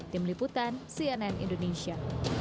tim liputan cnn indonesia